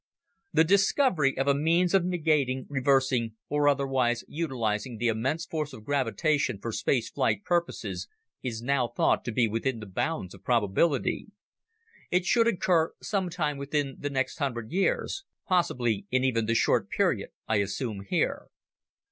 The discovery of a means of negating, reversing or otherwise utilizing the immense force of gravitation for space flight purposes is now thought to be within the bounds of probability. It should occur some time within the next hundred years, possibly in even the short period I assume here.